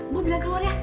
mo bilang keluar ya